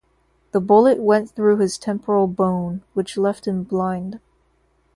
The bullet went through his temporal bone, which left him blind.